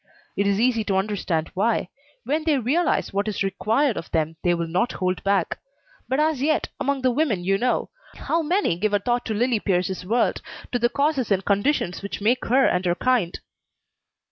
It is easy to understand why. When they realize what is required of them, they will not hold back. But as yet, among the women you know, how many give a thought to Lillie Pierce's world, to the causes and conditions which make her and her kind?"